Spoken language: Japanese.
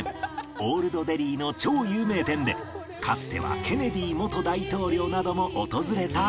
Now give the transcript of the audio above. オールドデリーの超有名店でかつてはケネディ元大統領なども訪れたそう